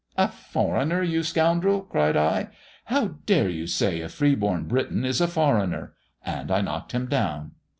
'A foreigner, you scoundrel!' cried I. 'How dare you say a free born Briton is a foreigner!' and I knocked him down.